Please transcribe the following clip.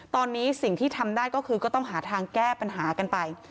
ตอนนี้สิ่งที่ทำได้ก็คือก็ต้องหาทางแก้ปัญหากันไป